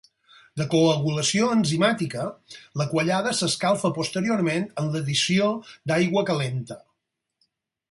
De coagulació enzimàtica, la quallada s'escalfa posteriorment amb l'addició d'aigua calenta.